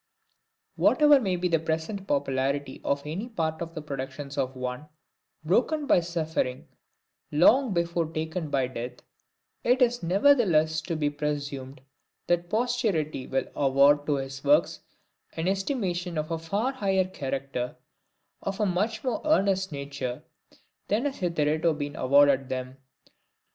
Whatever may be the present popularity of any part of the productions of one, broken, by suffering long before taken by death, it is nevertheless to be presumed that posterity will award to his works an estimation of a far higher character, of a much more earnest nature, than has hitherto been awarded them.